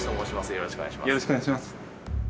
よろしくお願いします。